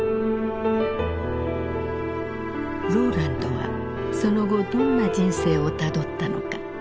ローランドはその後どんな人生をたどったのか。